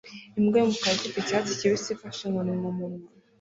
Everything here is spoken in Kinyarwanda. Imbwa yumukara ifite icyatsi kibisi ifashe inkoni mumunwa